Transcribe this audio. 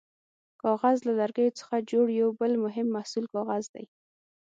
کاغذ: له لرګیو څخه جوړ یو بل مهم محصول کاغذ دی.